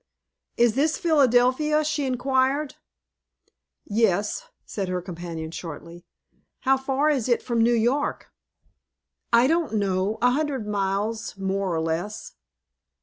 "Is this Philadelphia?" she inquired. "Yes;" said her companion, shortly. "How far is it from New York?" "I don't know; a hundred miles, more or less."